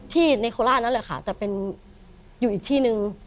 ที่เนโคล่านั่นแหละค่ะแต่เป็นอยู่อีกที่หนึ่ง